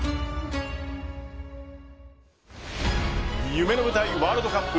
夢の舞台・ワールドカップ。